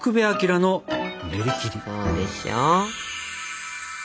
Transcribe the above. そうでしょ？